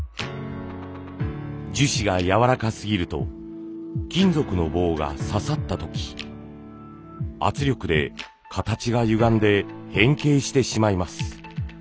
樹脂がやわらかすぎると金属の棒がささった時圧力で形がゆがんで変形してしまいます。